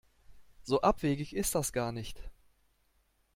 So abwegig ist das gar nicht.